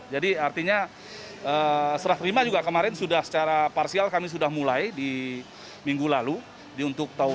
jadi artinya setelah terima juga kemarin secara parsial kami sudah mulai di minggu lalu